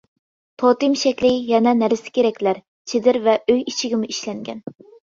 توتېم شەكلى يەنە نەرسە-كېرەكلەر، چېدىر ۋە ئۆي ئىچىگىمۇ ئىشلەنگەن.